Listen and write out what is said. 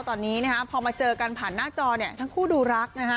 ตอนนี้พอมาเจอกันผ่านหน้าจอทั้งคู่ดูรัก